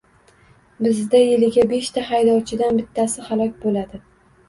Bizda yiliga beshta haydovchidan bittasi halok bo`ladi